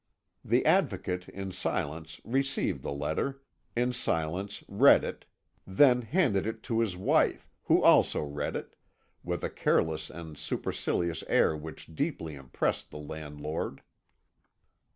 The Advocate in silence received the letter, in silence read it, then handed it to his wife, who also read it, with a careless and supercilious air which deeply impressed the landlord.